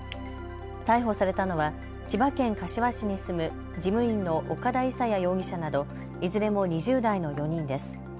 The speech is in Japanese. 逮捕されたのは千葉県柏市に住む事務員の岡田勇也容疑者などいずれも２０代の４人です。